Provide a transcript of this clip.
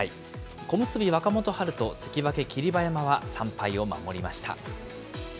小結・若元春と関脇・霧馬山は３敗を守りました。